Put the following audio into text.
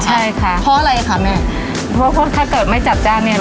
ใช่ค่ะเพราะอะไรคะแม่เพราะถ้าเกิดไม่จัดจ้างเนี่ย